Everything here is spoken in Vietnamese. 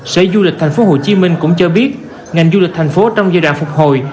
sở du lịch tp hcm cũng cho biết ngành du lịch tp hcm trong giai đoạn phục hồi